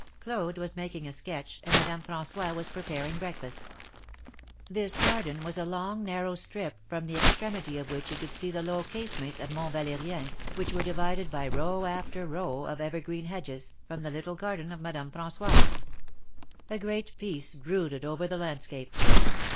Claude was making a sketch, and Madame Franyois was preparing breakfast. This garden was a long narrow strip, from the extremity of which he could see the low casemates of Mont Valerien, which were divided by row after row of evergreen hedges, from the little garden of Madame Frangois. A great peace brooded over the landscape.